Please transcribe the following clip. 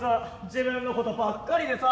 自分のことばっかりでさ」。